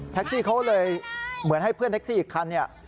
ซี่เขาเลยเหมือนให้เพื่อนแท็กซี่อีกคันเนี่ย